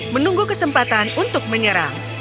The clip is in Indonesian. menunggu kesempatan untuk menyerang